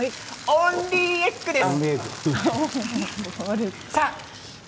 オンリーエッグでした。